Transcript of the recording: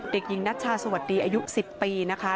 เด็กหญิงนัชชาสวัสดีอายุ๑๐ปีนะคะ